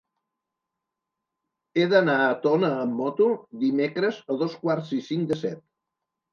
He d'anar a Tona amb moto dimecres a dos quarts i cinc de set.